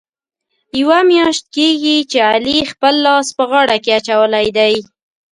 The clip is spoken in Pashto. یوه میاشت کېږي، چې علي خپل لاس په غاړه کې اچولی دی.